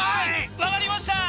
分かりました！